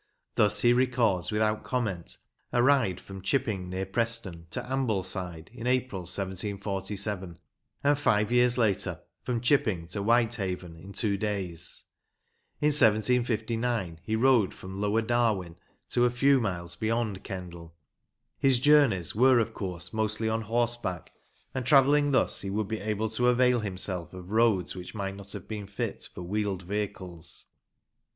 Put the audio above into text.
Thus he records without comment a ride from Chipping, near Preston, to Ambleside in April, 1 747 ; and, five years later, from Chipping to Whitehaven in two days. In 1759 he rode from Lower Darwen to a few miles beyond Kendal. His journeys were, of course, mostly on horseback, and, travelling thus, he would be able to avail himself of roads which might not have been fit for wheeled vehicles.